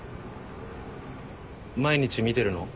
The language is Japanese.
毎日見てるの？